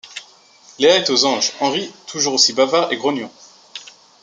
Léa est aux anges, Henri toujours aussi bavard et grognon.